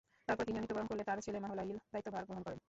তারপর তিনিও মৃত্যুবরণ করলে তার ছেলে মাহলাঈল দায়িত্বভার গ্রহণ করেন।